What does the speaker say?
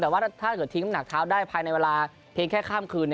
แต่ว่าถ้าเกิดทิ้งน้ำหนักเท้าได้ภายในเวลาเพียงแค่ข้ามคืน